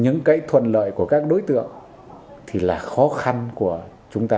những cái thuận lợi của các đối tượng thì là khó khăn của chúng ta